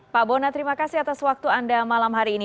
pak bona terima kasih atas waktu anda malam hari ini